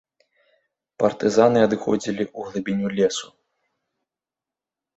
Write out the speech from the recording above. Партызаны адыходзілі ў глыбіню лесу.